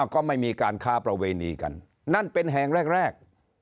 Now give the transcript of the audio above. ก็ไม่มีการค้าประเวณีกันนั่นเป็นแห่งแรก